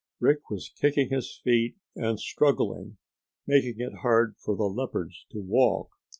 Rick was kicking his feet and struggling, making it hard for the leopards to walk.